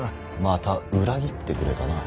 また裏切ってくれたな。